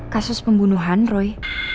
kasus pembunuhan roy